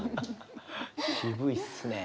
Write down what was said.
渋いっすね。